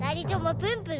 プンプン！